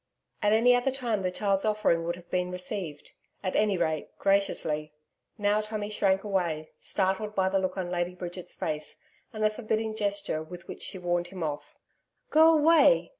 At any other time the child's offering would have been received, at any rate, graciously. Now Tommy shrank away, startled by the look on Lady Bridget's face and the forbidding gesture with which she warned him off. 'Go away!